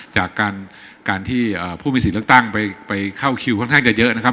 จากการที่ผู้มีสิทธิ์เลือกตั้งไปเข้าคิวค่อนข้างจะเยอะนะครับ